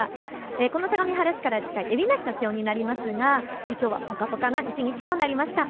この相模原市から近い海老名市の気温になりますがきょうはぽかぽかな一日となりました。